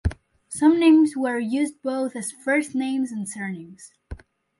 Some names were used both as first names and surnames.